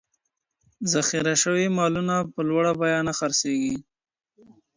ذخیره شوي مالونه په لوړه بیه نه خرڅېږي.